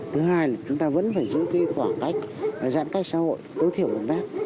thứ hai là chúng ta vẫn phải giữ khoảng cách giãn cách xã hội tối thiểu một mét